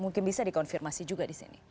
mungkin bisa dikonfirmasi juga di sini